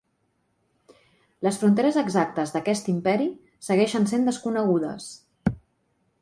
Les fronteres exactes d'aquest imperi segueixen sent desconegudes.